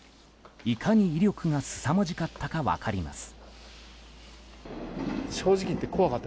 いかに威力がすさまじかったか分かります。